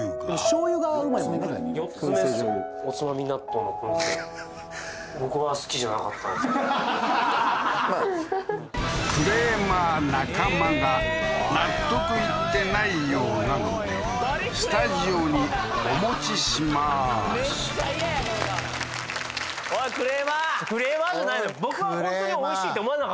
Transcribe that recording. じょうゆクレーマー中間が納得いってないようなのでスタジオにお持ちしまーすめっちゃ嫌やこの顔クレーマーじゃないのよほんま？